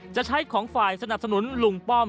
จะใช้ของฝ่ายสนับสนุนลุงป้อม